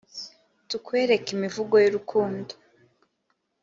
tukwereke imivugo yu rukundo,